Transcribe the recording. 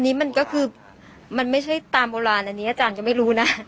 อันนี้มันก็คือมันไม่ใช่ตามโบราณอันนี้อาจารย์ก็ไม่รู้นะ